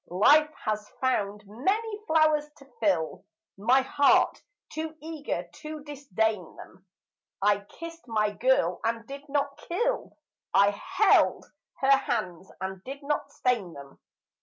Life has found many flowers to fill My heart, too eager to disdain them ; I kissed my girl and did not kill, I held her hands and did not stain them.